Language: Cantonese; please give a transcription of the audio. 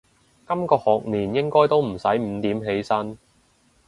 今個學年應該都唔使五點起身